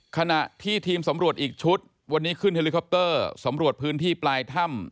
ขณะที่ทีมสำรวจอีกชุดวันนี้ขึ้นเฮลิคอปเตอร์สำรวจพื้นที่ปลายถ้ำ